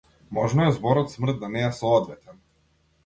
Можно е зборот смрт да не е соодветен.